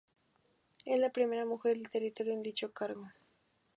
Es la primera mujer del territorio en dicho cargo.